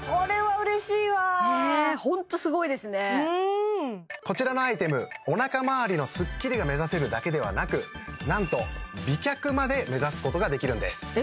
うんホントすごいですねこちらのアイテムおなか周りのスッキリが目指せるだけではなくなんと美脚まで目指すことができるんですええ